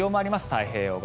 太平洋側。